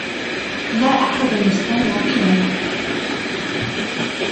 لا أحد يستمع إليّ.